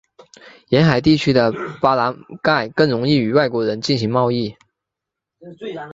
沿海地区的巴朗盖更容易与外国人进行贸易。